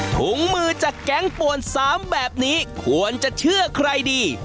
ถุงมือจากแก๊งป่วน๓แบบนี้ควรจะเชื่อใครดี